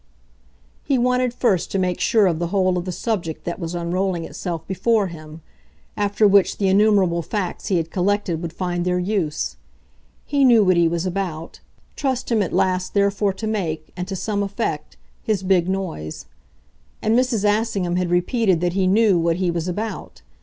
He wanted first to make sure of the whole of the subject that was unrolling itself before him; after which the innumerable facts he had collected would find their use. He knew what he was about trust him at last therefore to make, and to some effect, his big noise. And Mrs. Assingham had repeated that he knew what he was about.